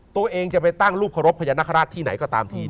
ตัวเองจะไปตั้งรูปเคารพพญานาคาราชที่ไหนก็ตามที